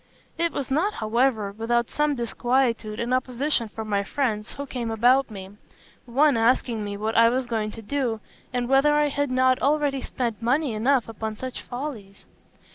It was not, however, without some disquietude and opposition from my friends who came about me; one asking me what I was going to do, and whether I had not already spent money enough upon such follies?